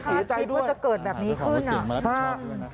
มีคาดคลิปว่าจะเกิดแบบนี้ขึ้นน่ะ